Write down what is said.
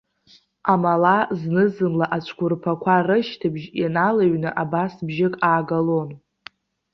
Амала, зны-зынла ацәқәырԥақәа рышьҭыбжь иналҩны абас бжьык аагалон.